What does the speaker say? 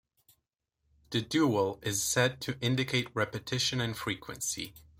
The dual is said to indicate repetition and frequency.